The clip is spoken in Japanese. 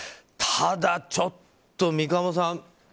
ただ、ちょっと三鴨さん